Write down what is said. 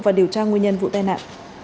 và điều tra nguyên nhân vụ tai nạn